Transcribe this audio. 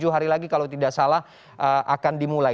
tujuh hari lagi kalau tidak salah akan dimulai